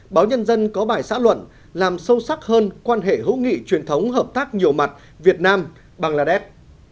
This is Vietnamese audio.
báo nhân dân có bài xã luận làm sâu sắc hơn quan hệ hữu nghị truyền thống hợp tác nhiều mặt việt nam bangladesh